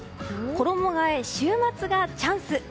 衣替え、週末がチャンス。